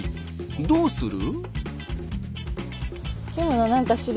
どうする？